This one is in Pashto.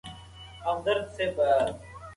بدې خبرې ذهن ستړي کوي